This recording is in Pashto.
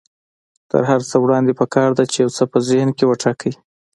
تر هر څه وړاندې پکار ده چې يو څه په ذهن کې وټاکئ.